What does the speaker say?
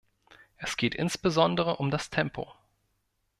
Es geht insbesondere um das Tempo.